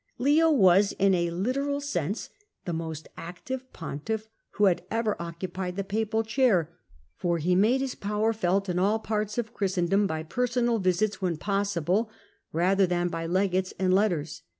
Leo was, in a literal sense, the most active pontiff who had ever occupied the papal chair; for he made gjg his power felt in all parts of Christendom by Jjg^^ personal visits, when possible, rather than by tration legates and letters.